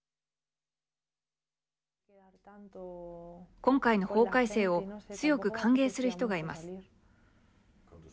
今回の法改正を強く歓迎する人がいます。